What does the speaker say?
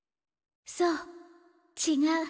そう違う。